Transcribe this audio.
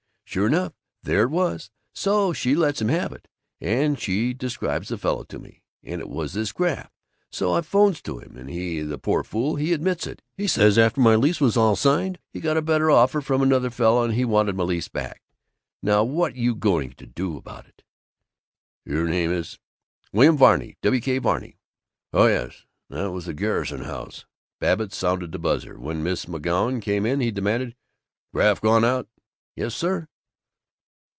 Sure enough, there it was, so she lets him have it. And she describes the fellow to me, and it was this Graff. So I 'phones to him and he, the poor fool, he admits it! He says after my lease was all signed he got a better offer from another fellow and he wanted my lease back. Now what you going to do about it?" "Your name is ?" "William Varney W. K. Varney." "Oh, yes. That was the Garrison house." Babbitt sounded the buzzer. When Miss McGoun came in, he demanded, "Graff gone out?" "Yes, sir."